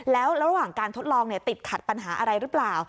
แล้วระหว่างการทดลองติดขัดปัญหาอะไรหรือเปล่า